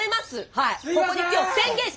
はい。